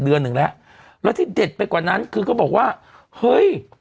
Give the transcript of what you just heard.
เดือนหนึ่งแล้วแล้วที่เด็ดไปกว่านั้นคือเขาบอกว่าเฮ้ย